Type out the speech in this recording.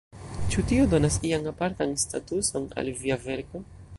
Ĉu tio donas ian apartan statuson al via verko?